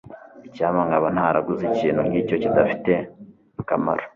Icyampa nkaba ntaraguze ikintu nkicyo kidafite akamaro.